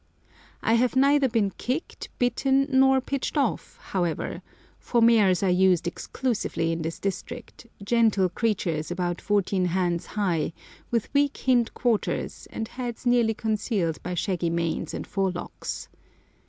I have neither been kicked, bitten, nor pitched off, however, for mares are used exclusively in this district, gentle creatures about fourteen hands high, with weak hind quarters, and heads nearly concealed by shaggy manes and forelocks.